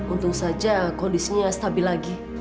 untung saja kondisinya stabil lagi